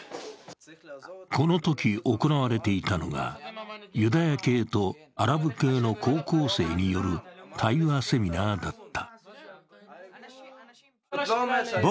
このとき行われていたのが、ユダヤ系とアラブ系の高校生による対話セミナーだった。